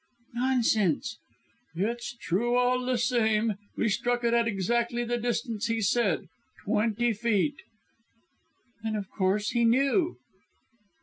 "Nonsense!" "It's true all the same. We struck it at exactly the distance he said twenty feet." "Then of course he knew."